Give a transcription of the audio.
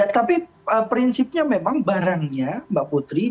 tapi prinsipnya memang barangnya mbak putri